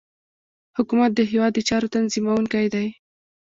حکومت د هیواد د چارو تنظیمونکی دی